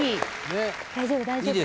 大丈夫大丈夫。